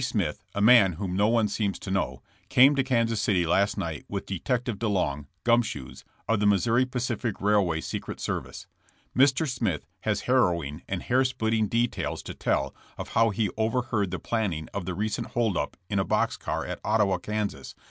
Smith, a man whom no one seems to know, came to Kansas City last night with Detective De Long ("Gum Shoes") of the Missouri Pacific railway secret service. Mr. Smith has harrowing and hair splitting details to tell of how he overheard the plan ning of the recent hold up in a box car at Ottawa, Kas.